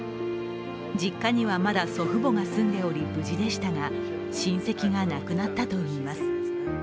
実家にはまだ祖父母が住んでおり無事でしたが親戚が亡くなったといいます。